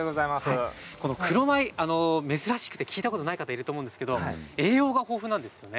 この黒米、珍しくて聞いたことない方いると思うんですけど栄養が豊富なんですよね。